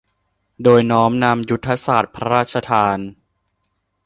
โดยน้อมนำยุทธศาสตร์พระราชทาน